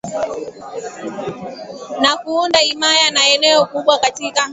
na kuunda himaya na eneo kubwa Katika